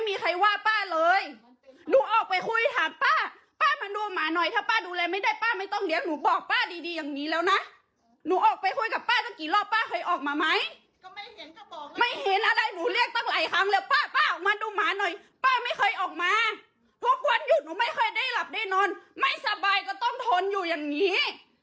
ไม่ไหวมันได้หลับได้นอนไม่สบายก็ต้องทนอยู่อย่างงี้